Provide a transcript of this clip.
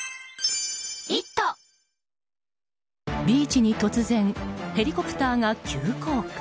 ビーチに突然ヘリコプターが急降下。